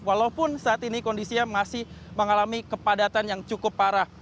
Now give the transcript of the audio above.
walaupun saat ini kondisinya masih mengalami kepadatan yang cukup parah